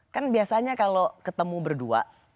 kan biasanya kalau ketemu berdua